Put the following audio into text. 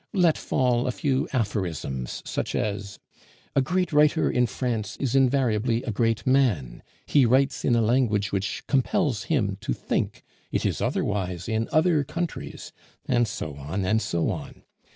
Let fall a few aphorisms, such as 'A great writer in France is invariably a great man; he writes in a language which compels him to think; it is otherwise in other countries' and so on, and so on.